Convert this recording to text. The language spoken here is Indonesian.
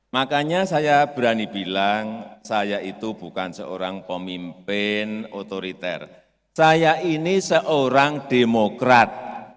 makanya saya berani bilang saya itu bukan seorang pemimpin otoriter saya ini seorang demokrat